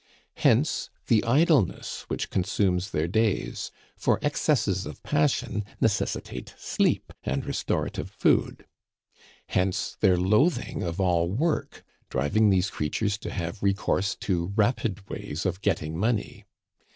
Hence the idleness which consumes their days, for excesses of passion necessitate sleep and restorative food. Hence their loathing of all work, driving these creatures to have recourse to rapid ways of getting money.